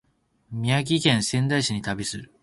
宮城県仙台市に旅行する